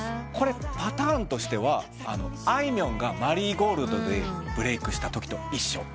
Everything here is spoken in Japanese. これパターンとしてはあいみょんが『マリーゴールド』でブレークしたときと一緒。